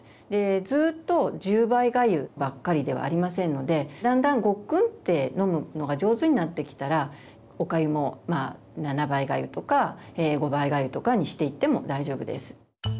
ずっと１０倍がゆばっかりではありませんのでだんだんごっくんって飲むのが上手になってきたらおかゆも７倍がゆとか５倍がゆとかにしていっても大丈夫です。